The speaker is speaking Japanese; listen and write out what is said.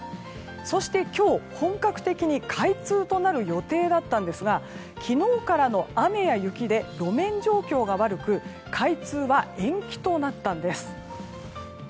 そして今日、本格的に開通となる予定だったんですが昨日からの雨や雪で路面状況が悪く開通は延期となったんです。